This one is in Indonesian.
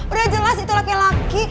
udah jelas itu laki laki